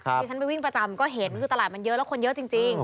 ที่ฉันไปวิ่งประจำก็เห็นคือตลาดมันเยอะแล้วคนเยอะจริง